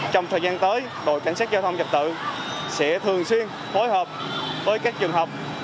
trong thời gian tới đội cảnh sát giao thông trật tự sẽ thường xuyên phối hợp với các trường học